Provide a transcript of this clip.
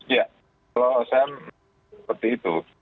ya kalau saya seperti itu